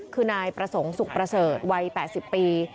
คือนายประสงค์สุขประเสริฐวัย๘๐ปี